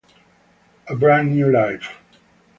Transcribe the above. A Brand New Life